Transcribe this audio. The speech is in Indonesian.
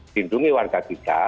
bindungi warga kita